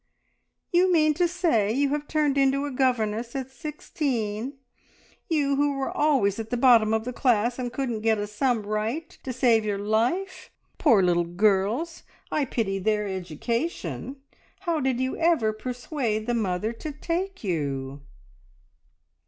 "You mean to say you have turned into a governess at sixteen you who were always at the bottom of the class, and couldn't get a sum right to save your life! Poor little girls, I pity their education! How did you ever persuade the mother to take you?"